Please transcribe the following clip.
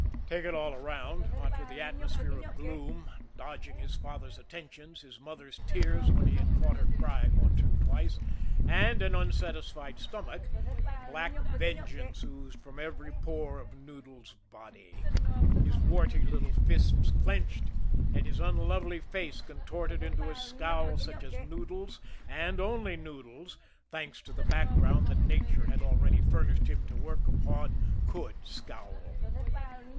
Take it all round, what with the atmosphere of gloom, dodging his father's attentions, his mother's tears when he had caught her crying once or twice, and an unsatisfied stomach, black vengeance oozed from every pore of Noodles' body. His warty little fists clenched, and his unlovely face contorted into a scowl such as Noodles, and only Noodles, thanks to the background that nature had already furnished him to work upon, could scowl.